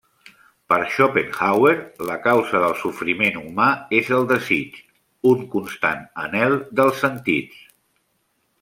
Per Schopenhauer, la causa del sofriment humà és el desig, un constant anhel dels sentits.